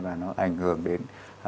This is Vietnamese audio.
và nó ảnh hưởng đến